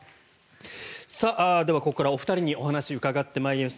ではここからお二人にお話を伺います。